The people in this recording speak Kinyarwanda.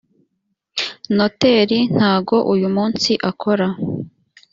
noteri ntago uyu munsi akora